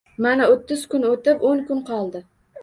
Mana, o‘ttiz kun o‘tib, o‘n kun qoldi